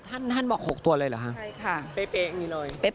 ท่านบอก๖ตัวเลยเหรอคะเป๊ะอย่างนี้หน่อย